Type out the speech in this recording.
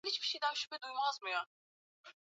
Ni mfupi kuliko mamake.